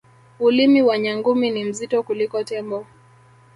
ulimi wa nyangumi ni mzito kuliko tembo